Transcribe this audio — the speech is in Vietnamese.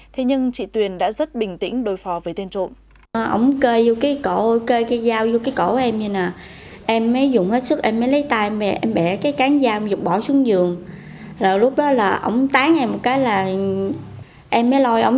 thế nhưng chị tuyền đã rất bình tĩnh đối phó với tên trộm